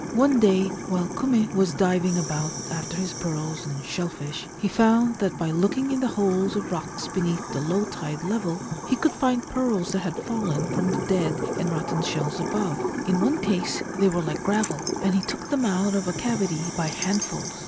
One day while Kume was diving about after his pearls and shell fish, he found that by looking in the holes of rocks beneath the low tide level he could find pearls that had fallen from the dead and rotten shells above ; in one case they were like gravel, and he took them out of a cavity by handfuls.